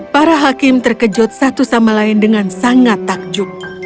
para hakim terkejut satu sama lain dengan sangat takjub